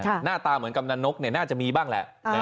ค่ะหน้าตาเหมือนกำนันนกเนี่ยน่าจะมีบ้างแหละอ่า